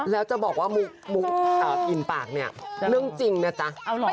แล้วจะบอกว่ามุกอิ่มปากเนี่ยเรื่องจริงนะจ๊ะ